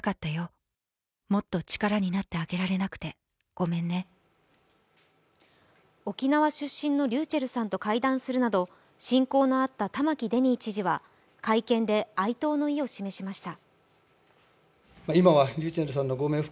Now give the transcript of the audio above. タレントのＳＨＥＬＬＹさんは沖縄出身のｒｙｕｃｈｅｌｌさんと会談するなど親交のあった玉城デニー知事は会見で哀悼の意を示しました。